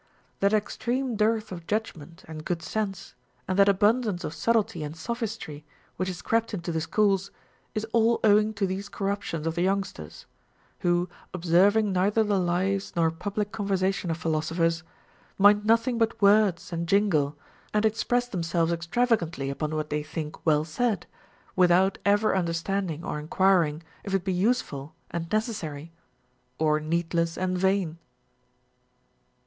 That extreme dearth of judgment and good sense, and that abundance of subtilty and sophistry which is crept into the schools, is all owing to these corruptions of the young sters ; Λνΐιο, observing neither the lives nor public conver sation of philosophers, mind nothing but words and jingle, and express themselves extravagantly upon what they think well said, without ever understanding or enquiring if it be useful and necessary, or needless and vain.